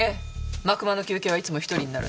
幕間の休憩はいつも一人になるんです。